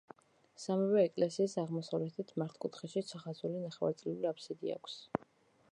სამივე ეკლესიას აღმოსავლეთით მართკუთხედში ჩახაზული ნახევარწრიული აფსიდი აქვს.